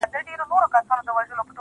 o ته دې هره ورځ و هيلو ته رسېږې.